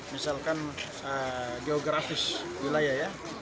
misalkan geografis wilayah